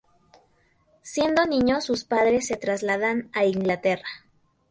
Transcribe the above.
Siendo niño sus padres se trasladan a Inglaterra.